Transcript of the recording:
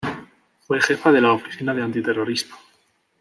Fue jefa de la oficina de antiterrorismo.